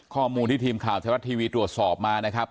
ข้อมูลที่ทีมข่าวไทยรัฐทีวีตรวจสอบมานะครับ